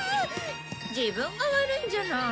自分が悪いんじゃない。